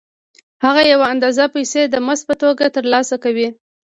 هغه یوه اندازه پیسې د مزد په توګه ترلاسه کوي